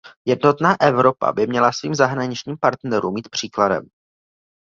Jednotná Evropa by měla svým zahraničním partnerům jít příkladem.